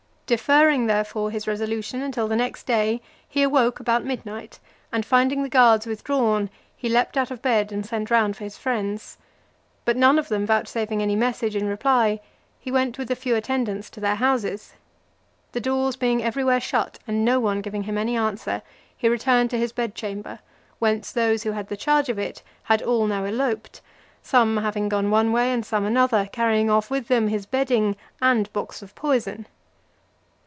Deferring, therefore, his resolution until the next (376) day, he awoke about midnight, and finding the guards withdrawn, he leaped out of bed, and sent round for his friends. But none of them vouchsafing any message in reply, he went with a few attendants to their houses. The doors being every where shut, and no one giving him any answer, he returned to his bed chamber; whence those who had the charge of it had all now eloped; some having gone one way, and some another, carrying off with them his bedding and box of poison.